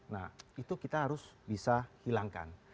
nah itu kita harus bisa hilangkan